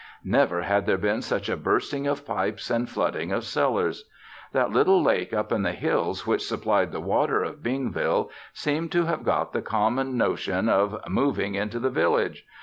Never had there been such a bursting of pipes and flooding of cellars. That little lake up in the hills which supplied the water of Bingville seemed to have got the common notion of moving into the village.